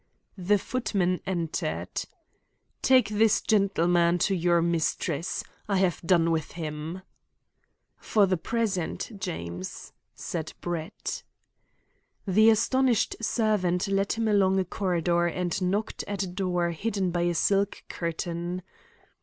The footman entered. "Take this gentleman to your mistress. I have done with him." "For the present, James," said Brett. The astonished servant led him along a corridor and knocked at a door hidden by a silk curtain.